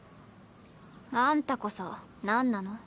あんたこそなんなの？